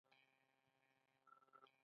شات څنګه جوړیږي؟